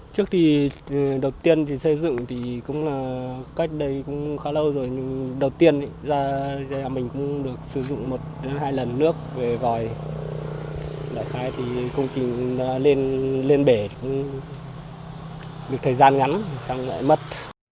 trước thì đầu tiên thì xây dựng thì cũng là cách đây cũng khá lâu rồi nhưng đầu tiên mình cũng được sử dụng một hai lần nước về vòi lại khai thì công trình lên bể được thời gian ngắn xong lại mất